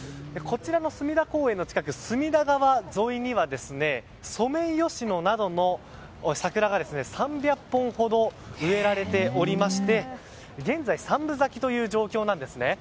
隅田公園の近く隅田川沿いにはソメイヨシノなどの桜が３００本ほど植えられておりまして現在三分咲きという状況なんですね。